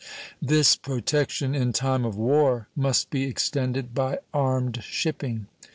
This protection in time of war must be extended by armed shipping.